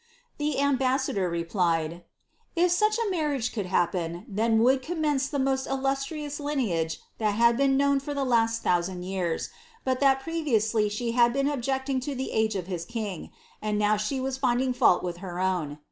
The ambassador replied, ^ If such a marriage could happen, then vonid commence the most illustrious lineage that had been known for the last thousand years ; but that previously she had been objecting to tkeage of his king, and now she was finding fault with tier own.